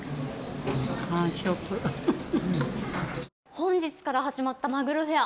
本日から始まったまぐろフェア